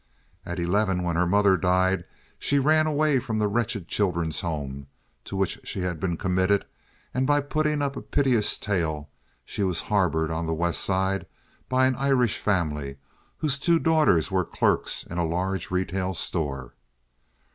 At eleven, when her mother died, she ran away from the wretched children's home to which she had been committed, and by putting up a piteous tale she was harbored on the West Side by an Irish family whose two daughters were clerks in a large retail store.